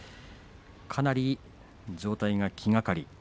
かなり状態が気がかり。